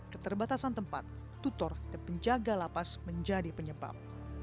keterbatasan tempat tutor dan penjaga lapas menjadi penyebab